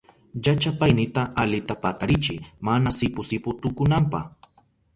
Llachapaynita alita patarichiy mana sipu sipu tukunanpa.